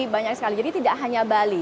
banyak sekali jadi tidak hanya bali